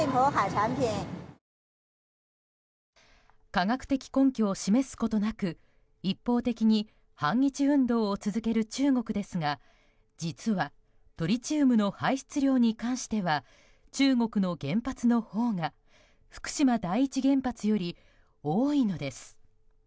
科学的根拠を示すことなく一方的に反日運動を続ける中国ですが実はトリチウムの排出量に関しては中国の原発のほうが福島第一原発より多いのです。